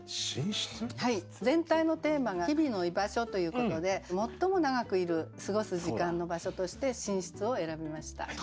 全体のテーマが「日々の居場所」ということで最も長くいる過ごす時間の場所として寝室を選びました。